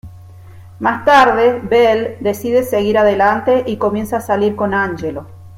Más tarde Belle decide seguir adelante y comienza a salir con Angelo.